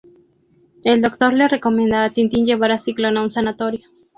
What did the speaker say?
El doctor le recomienda a Tintín llevar a Ciclón a un sanatorio.